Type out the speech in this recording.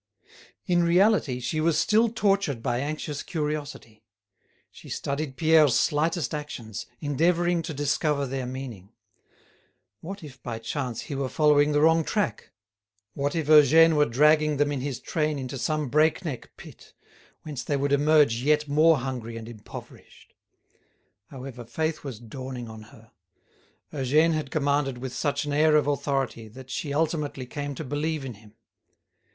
In reality, she was still tortured by anxious curiosity; she studied Pierre's slightest actions, endeavouring to discover their meaning. What if by chance he were following the wrong track? What if Eugène were dragging them in his train into some break neck pit, whence they would emerge yet more hungry and impoverished? However, faith was dawning on her. Eugène had commanded with such an air of authority that she ultimately came to believe in him.